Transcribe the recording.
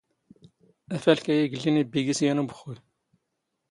ⴰⴼⴰⵍⴽⴰⵢ ⵉⴳⵍⵍⵉⵏ ⵉⴱⴱⵉ ⴳⵉⵙ ⵢⴰⵏ ⵓⴱⵅⵅⵓⵢ.